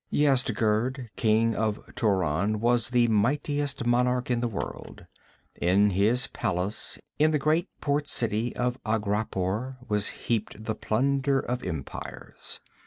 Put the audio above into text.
Yezdigerd, king of Turan, was the mightiest monarch in the world. In his palace in the great port city of Aghrapur was heaped the plunder of empires.